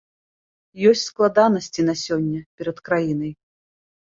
Ёсць складанасці на сёння перад краінай.